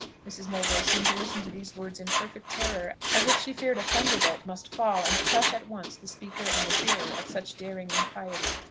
Mrs. Mowbray seemed to listen to these words in perfect terror, as if she feared a thunderbolt must fall and crush at once the speaker and the hearer of such daring impiety.